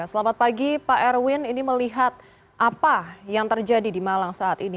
selamat pagi pak erwin ini melihat apa yang terjadi di malang saat ini